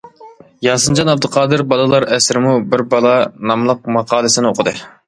ياسىنجان ئابدۇقادىر «بالىلار ئەسىرىمۇ بىر بالا» ناملىق ماقالىسىنى ئوقۇدى.